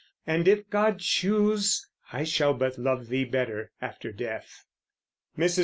and, if God choose, I shall but love thee better after death. Mrs.